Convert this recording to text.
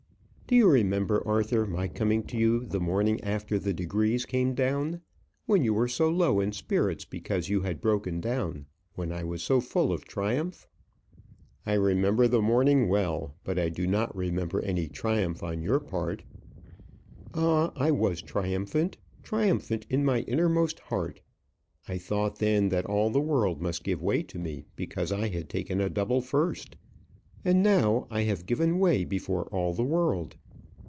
"Do you remember, Arthur, my coming to you the morning after the degrees came down when you were so low in spirits because you had broken down when I was so full of triumph?" "I remember the morning well; but I do not remember any triumph on your part." "Ah! I was triumphant triumphant in my innermost heart. I thought then that all the world must give way to me, because I had taken a double first. And now I have given way before all the world.